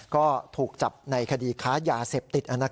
ก็ถูกจับในคดีค้ายาเสพติด